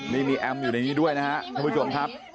นี่มีแอมอยู่ในนี้ด้วยนะครับท่านผู้ชมครับ